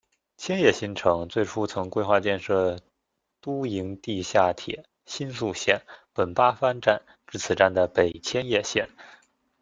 千叶新城最初曾规划建设都营地下铁新宿线本八幡站至此站的北千叶线。